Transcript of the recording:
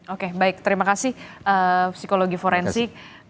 oke baik terima kasih psikologi forensik